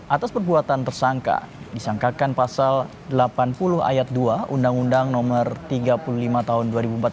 atas perbuatan tersangka disangkakan pasal delapan puluh ayat dua undang undang no tiga puluh lima tahun dua ribu empat belas